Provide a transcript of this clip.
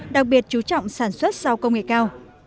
đặc biệt chú trọng sản xuất sau công nghệ cao